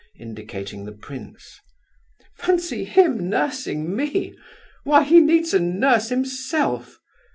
_" (indicating the prince). "Fancy him nursing me! Why, he needs a nurse himself!